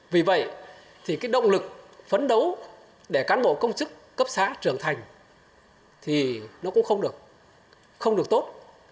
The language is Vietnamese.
vì vậy thì cái động lực phấn đấu để cán bộ công chức cấp xã trưởng thành thì nó cũng không được không được tốt